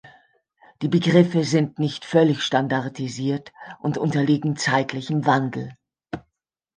Die Begriffe sind nicht völlig standardisiert und unterliegen zeitlichem Wandel.